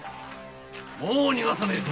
もう逃さねぇぞ。